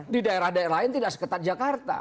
di daerah daerah lain tidak seketat jakarta